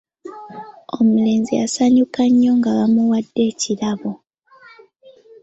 Omulenzi yasanyuka nnyo nga bamuwadde ekirabo.